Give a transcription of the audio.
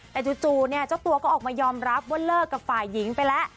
แต่จู่เนี่ยเจ้าตัวก็ออกมายอมรับว่าเลิกกับฝ่ายหญิงไปแล้ว